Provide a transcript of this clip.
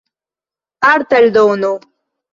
Arta eldono.